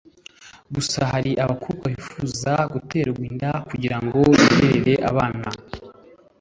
Gusa hari abakobwa bifuza guterwa inda kugira ngo birerere abana